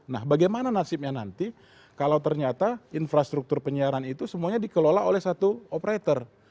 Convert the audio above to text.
nah bagaimana nasibnya nanti kalau ternyata infrastruktur penyiaran itu semuanya dikelola oleh satu operator